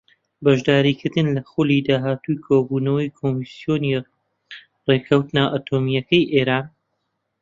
بەشداریکردن لە خولی داهاتووی کۆبوونەوەی کۆمسیۆنی ڕێککەوتنە ئەتۆمییەکەی ئێران